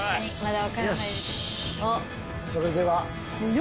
それでは。